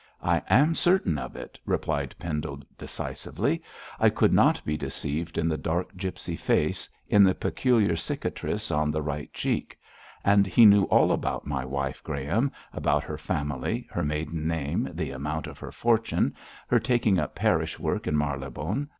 'I am certain of it,' replied Pendle, decisively. 'I could not be deceived in the dark gipsy face, in the peculiar cicatrice on the right cheek. And he knew all about my wife, Graham about her family, her maiden name, the amount of her fortune, her taking up parish work in Marylebone.